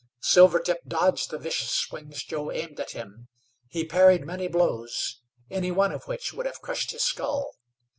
Silvertip dodged the vicious swings Joe aimed at him; he parried many blows, any one of which would have crushed his skull.